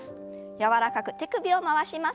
柔らかく手首を回します。